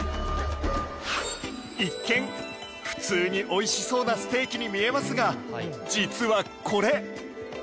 一見普通に美味しそうなステーキに見えますが実はこれ